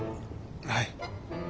はい。